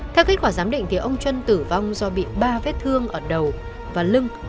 theo kết quả giám định ông trân tử vong do bị ba vết thương ở đầu và lưng